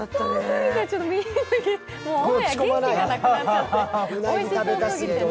ニッチェ、オンエア、元気がなくなっちゃっておいしそうすぎてね。